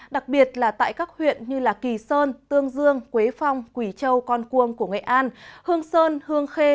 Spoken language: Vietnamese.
đặc biệt là tại các huyện như kỳ sơn tương dương quế phong quỳ châu con cuông của nghệ an hương sơn hương khê